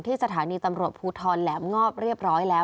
สถานีตำรวจภูทรแหลมงอบเรียบร้อยแล้ว